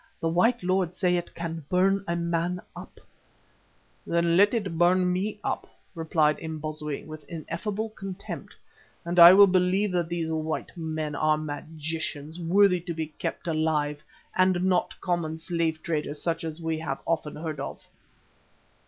"The white lords say it can burn a man up." "Then let it burn me up," replied Imbozwi with ineffable contempt, "and I will believe that these white men are magicians worthy to be kept alive, and not common slave traders such as we have often heard of."